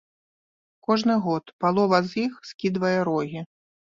Кожны год палова з іх скідвае рогі.